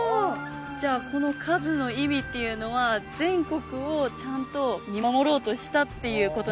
じゃあこの数の意味っていうのは全国をちゃんと見守ろうとしたっていうことなんですね